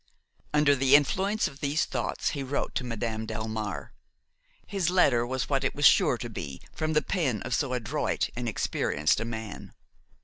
Under the influence of these thoughts he wrote to Madame Delmare. His letter was what it was sure to be from the pen of so adroit and experienced a man.